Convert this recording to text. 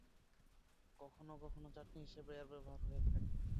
কখনো কখনো চাটনি হিসেবে এর ব্যবহার হয়ে থাকে।